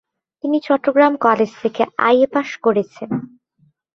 তিনি চট্টগ্রাম কলেজ থেকে IA pass করেছেন।